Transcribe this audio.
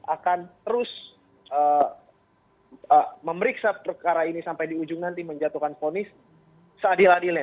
akan terus memeriksa perkara ini sampai di ujung nanti menjatuhkan fonis seadil adilnya